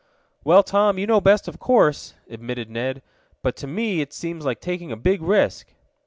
"Well, Tom, you know best, of course," admitted Ned. "But to me it seems like taking a big risk."